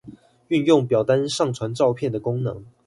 運用表單上傳照片的功能